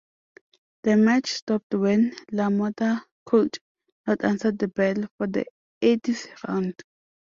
The match stopped when LaMotta could not answer the bell for the eighth round.